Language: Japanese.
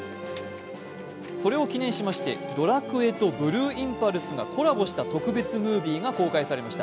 それを記念しまして「ドラクエ」とブルーインパルスがコラボした映像が公開されました。